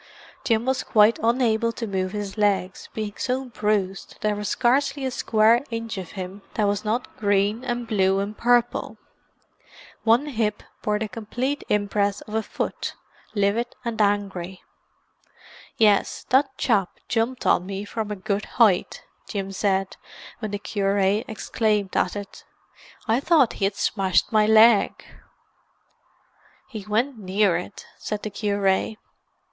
Jim was quite unable to move his legs, being so bruised that there was scarcely a square inch of him that was not green and blue and purple. One hip bore the complete impress of a foot, livid and angry. "Yes, that chap jumped on me from a good height," Jim said when the cure exclaimed at it. "I thought he had smashed my leg." "He went near it," said the cure.